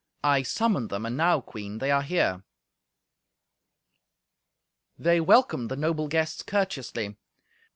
I summoned them, and now, Queen, they are here." They welcomed the noble guests courteously.